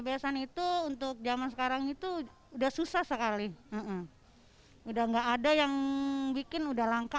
biasa itu untuk zaman sekarang itu udah susah sekali udah enggak ada yang bikin udah langka